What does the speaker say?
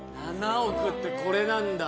７億ってこれなんだ